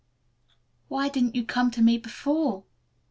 "Why didn't you come to me before?"